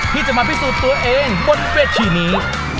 ที่จะมาพิสูจน์ตัวเองบนเวทีนี้